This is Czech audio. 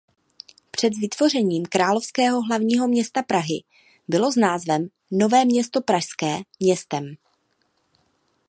Před vytvořením Královského hlavního města Prahy bylo s názvem Nové město pražské městem.